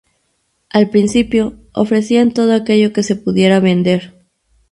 Al principio, ofrecían todo aquello que se pudiera vender.